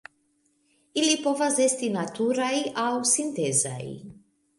Ili povas esti naturaj aŭ sintezaj.